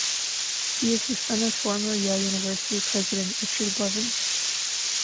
He is the son of former Yale University President Richard Levin.